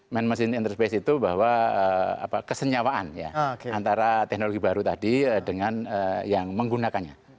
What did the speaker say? man machine interface itu bahwa kesenyawaan antara teknologi baru tadi dengan yang menggunakannya